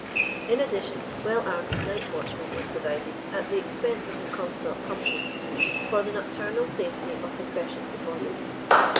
In addition well armed night watchmen were provided at the expense of the Comstock Company for the nocturnal safety of the precious deposits.